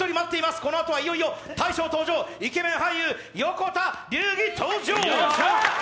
このあとはいよいよ大将登場、イケメン俳優、横田龍儀登場。